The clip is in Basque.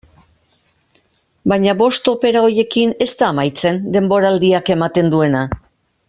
Baina bost opera horiekin ez da amaitzen denboraldiak ematen duena.